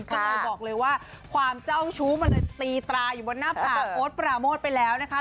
ก็เลยบอกเลยว่าความเจ้าชู้มันเลยตีตราอยู่บนหน้าผาโอ๊ตปราโมทไปแล้วนะคะ